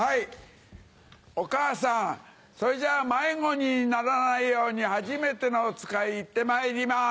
お母さんそれじゃ迷子にならないようにはじめてのおつかいいってまいります。